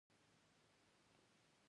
د هوا کثافت په حرارت پورې اړه لري.